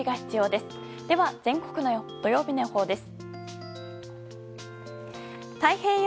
では、全国の土曜日の予報です。